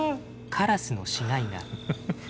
カラスの死骸が。